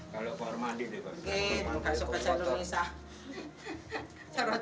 kalau di mandi pak